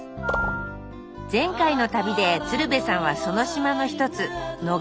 前回の旅で鶴瓶さんはその島の１つ野釜島へ。